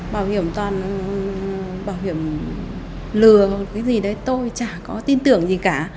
bảo hiểm toàn bảo hiểm lừa cái gì đấy tôi chả có tin tưởng gì cả